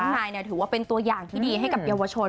นายถือว่าเป็นตัวอย่างที่ดีให้กับเยาวชน